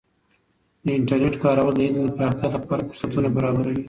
د انټرنیټ کارول د علم د پراختیا لپاره فرصتونه برابروي.